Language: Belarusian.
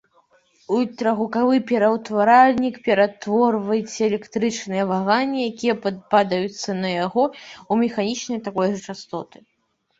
Ультрагукавы пераўтваральнік пераўтворыць электрычныя ваганні, якія падаюцца на яго, у механічныя такой жа частоты.